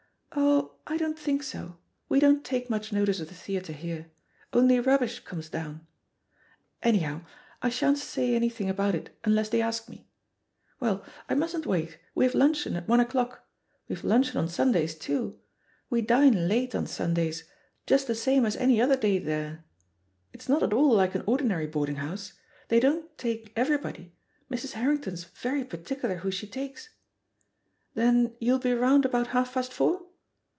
"Oh, I don't think so; we don't take much notice of the theatre here; only rubbish comes down. Anyhow, I shan't say anything about it unless they ask me. Well, I mustn't waitl we have luncheon at one o'clock — ^we have luncheon on Sundays, too; we dine late on Sundays, just the same as any other day there I It's not at all like an ordinary boarding house ; they don't take B2 THE POSITION OP PEGGY HARPER everybody, Mrs. Harrington's very particular who she takes. Then you'll be round about half past four?